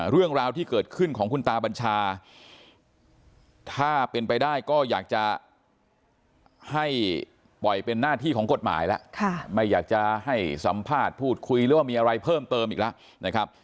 เรื่องราวที่เกิดขึ้นของคุณตาบัญชาถ้าเป็นไปได้ก็อยากจะให้ปล่อยเป็นหน้าที่ของกฎหมายแล้วไม่อยากจะให้สัมภาษณ์พูดคุยหรือว่ามีอะไรเพิ่มเติมอีกแล้วนะครับ